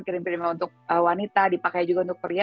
krim krim untuk wanita dipakai juga untuk pria